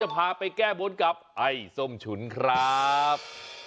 พาไปแก้บนกับไอ้ส้มฉุนครับ